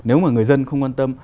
nếu mà người dân không quan tâm